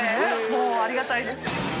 もうありがたいです。